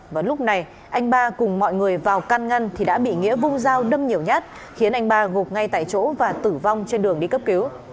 và lúc này anh ba cùng mọi người vào can ngăn thì đã bị nghĩa vụ dao đâm nhiều nhát khiến anh ba gục ngay tại chỗ và tử vong trên đường đi cấp cứu